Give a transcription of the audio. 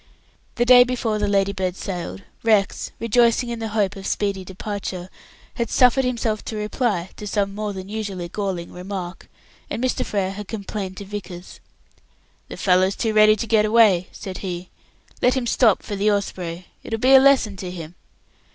The day before the Ladybird sailed, Rex rejoicing in the hope of speedy departure had suffered himself to reply to some more than usually galling remark and Mr. Frere had complained to Vickers. "The fellow's too ready to get away," said he. "Let him stop for the Osprey, it will be a lesson to him."